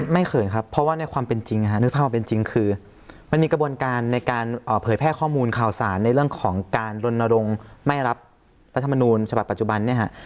เขินครับเพราะว่าในความเป็นจริงนึกภาพความเป็นจริงคือมันมีกระบวนการในการเผยแพร่ข้อมูลข่าวสารในเรื่องของการลนรงค์ไม่รับรัฐมนูลฉบับปัจจุบันเนี่ยฮะ